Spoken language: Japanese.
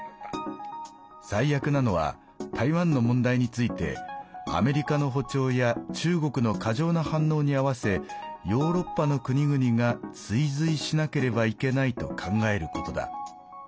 最悪なのは台湾の問題についてアメリカの歩調や中国の過剰な反応に合わせヨーロッパの国々が追随しなければいけないと考えることだ。